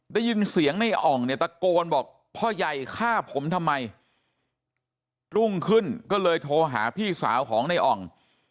ได้ยินเสียงในอ่องเนี่ยตะโกนบอกพ่อใหญ่ฆ่าผมทำไมรุ่งขึ้นก็เลยโทรหาพี่สาวของในอ่อง